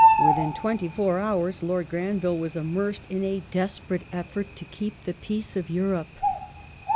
^ Within twenty four hours Lord Granville was immersed in a desperate effort to keep the peace of Europe.